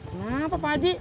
kenapa pak ji